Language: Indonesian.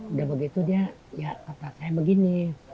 udah begitu dia ya kata saya begini